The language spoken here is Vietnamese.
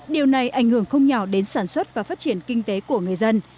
điều này ảnh hưởng không nhỏ đến sản xuất và phát triển kinh tế của người dân